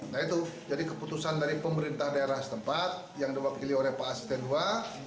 nah itu jadi keputusan dari pemerintah daerah setempat yang diwakili oleh pak asisten ii